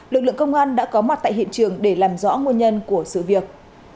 lực lượng công an đã có mặt tại hiện trường để làm rõ nguồn nhân của sự việc